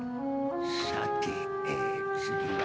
さて次は。